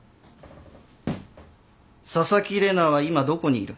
紗崎玲奈は今どこにいる？